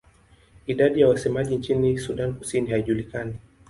Idadi ya wasemaji nchini Sudan Kusini haijulikani.